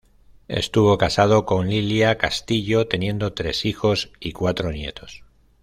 Estuvo casado con Lilia Castillo, teniendo tres hijos y cuatro nietos.